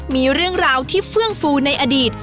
มีเรื่องราวที่เฟื่องฟูในอดีต